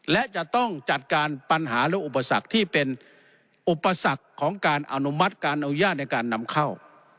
และจะต้องจัดการปัญหาและอุปสรรคที่เป็นอุปสรรคของการอนุมัติการอนุญาตในการนำเข้า